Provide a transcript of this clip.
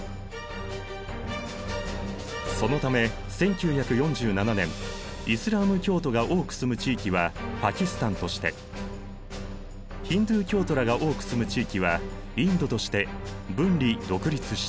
そのため１９４７年イスラーム教徒が多く住む地域はパキスタンとしてヒンドゥー教徒らが多く住む地域はインドとして分離独立した。